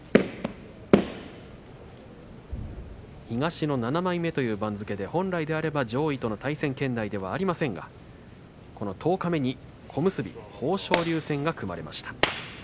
東の７枚目という番付で本来であれば上位との対戦圏内ではありませんが十日目に小結豊昇龍戦が組まれました。